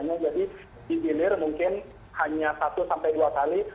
jadi di bilir mungkin hanya satu sampai dua kali